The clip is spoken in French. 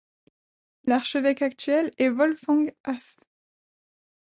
L'archevêque actuel est Wolfgang Haas.